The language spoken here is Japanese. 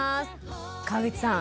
川口さん